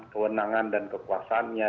kewenangan dan kekuasannya